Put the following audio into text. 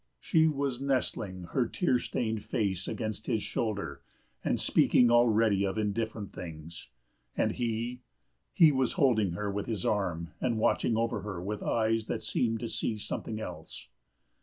She was nestling her tear stained face against his shoulder and speaking already of indifferent things. And he—he was holding her with his arm and watching over her with eyes that seemed to see something else.